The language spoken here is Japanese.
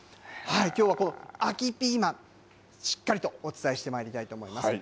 きょうは、この秋ピーマンしっかりとお伝えしてまいりたいと思います。